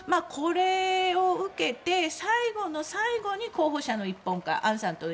これを受けて、最後の最後に候補者の一本化。